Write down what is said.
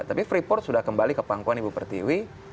tapi freeport sudah kembali ke pangkuan ibu pertiwi